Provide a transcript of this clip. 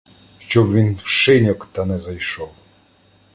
Щоб він в шиньок та не зайшов!